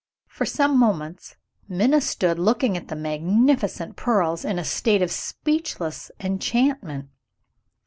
For some moments Minna stood looking at the magnificent pearls, in a state of speechless enchantment.